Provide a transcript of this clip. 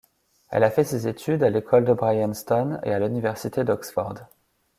Elle a fait ses études à l'école de Bryanston et à l'Université d'Oxford.